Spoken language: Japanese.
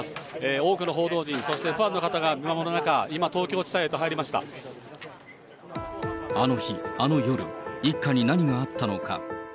多くの報道陣、そしてファンの方が見守る中、今、東京地裁へと入あの日、あの夜、一家に何があったのか。